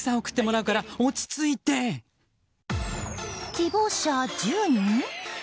希望者１０人？